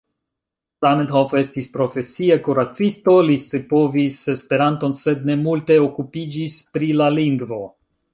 Zamenhof estis profesie kuracisto, li scipovis Esperanton sed ne multe okupiĝis pri la lingvo.